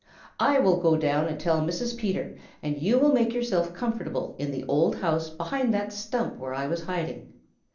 I will go down and tell Mrs. Peter, and you will make yourself comfortable in the old house behind that stump where I was hiding."